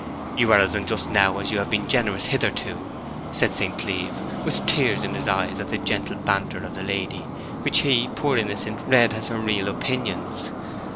'You are as unjust now as you have been generous hitherto,' said St. Cleeve, with tears in his eyes at the gentle banter of the lady, which he, poor innocent, read as her real opinions.